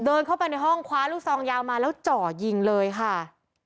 เดินเข้าไปในห้องคว้๒๐๐๒แล้วจ่อจินเลยค่ะ